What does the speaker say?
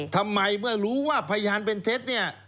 ทำไมเมื่อรู้ว่าพยานเป็นเท็จเนี่ย